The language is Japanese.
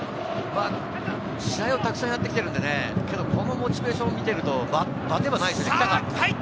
試合をたくさんやってきてるんで、このモチベーションを見てると、バテはしてないですね。